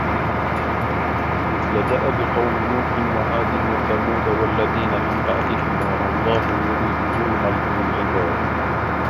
مِثلَ دَأبِ قَومِ نوحٍ وَعادٍ وَثَمودَ وَالَّذينَ مِن بَعدِهِم وَمَا اللَّهُ يُريدُ ظُلمًا لِلعِبادِ